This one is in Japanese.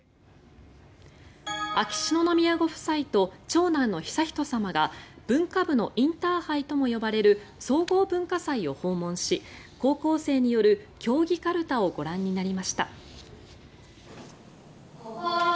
秋篠宮ご夫妻と長男の悠仁さまが文化部のインターハイともいわれる総合文化祭を訪問し高校生による競技かるたをご覧になりました。